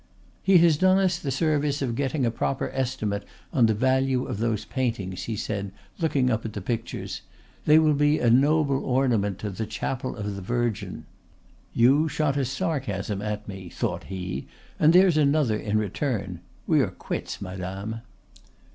"He has done us the service of getting a proper estimate on the value of those paintings," he said, looking up at the pictures. "They will be a noble ornament to the chapel of the Virgin." ("You shot a sarcasm at me," thought he, "and there's another in return; we are quits, madame.")